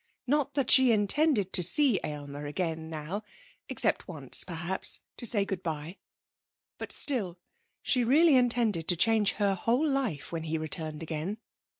Not that she intended to see Aylmer again now, except once, perhaps, to say good bye. But still, she really intended to change her whole life when he returned again.